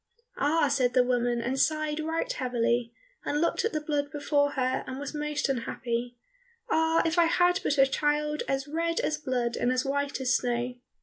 "Ah," said the woman, and sighed right heavily, and looked at the blood before her, and was most unhappy, "ah, if I had but a child as red as blood and as white as snow!"